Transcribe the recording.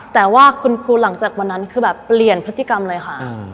แต่ว่าคุณครูหลังจากวันนั้นคือแบบเปลี่ยนพฤติกรรมเลยค่ะ